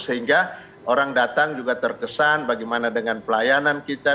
sehingga orang datang juga terkesan bagaimana dengan pelayanan kita